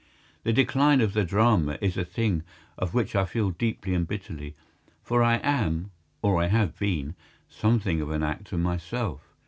This decline of the drama is a thing on which I feel deeply and bitterly; for I am, or I have been, something of an actor myself.